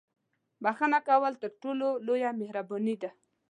• بښنه کول تر ټولو لویه مهرباني ده.